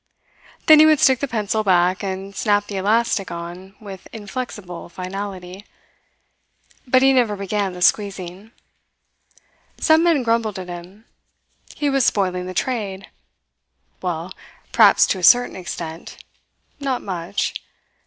Then he would stick the pencil back and snap the elastic on with inflexible finality; but he never began the squeezing. Some men grumbled at him. He was spoiling the trade. Well, perhaps to a certain extent; not much.